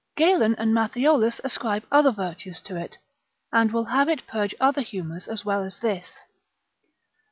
Galen, lib. G. simplic. and Matthiolus ascribe other virtues to it, and will have it purge other humours as well as this.